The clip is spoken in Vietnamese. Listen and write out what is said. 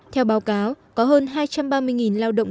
theo báo cáo có hơn hai trăm ba mươi lao động